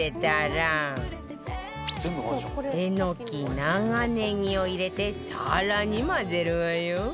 えのき長ネギを入れて更に混ぜるわよ